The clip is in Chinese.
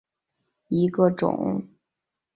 粘唐松草为毛茛科唐松草属下的一个种。